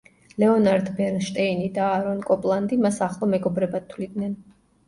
ლეონარდ ბერნშტეინი და აარონ კოპლანდი მას ახლო მეგობრად თვლიდნენ.